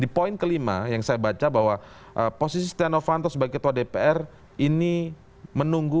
di poin kelima yang saya baca bahwa posisi setia novanto sebagai ketua dpr ini menunggu